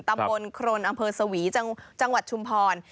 นครนอำเภอสวีจังหวัดชุมพร